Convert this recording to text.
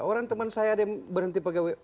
orang teman saya ada yang berhenti pegawai